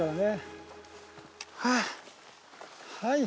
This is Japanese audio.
はい！